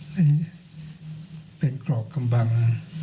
ให้เป็นกรอบกำบัง